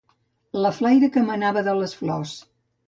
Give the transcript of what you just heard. La flaire que emanava de les flors.